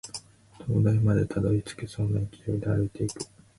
灯台までたどり着けそうな勢いで歩いていく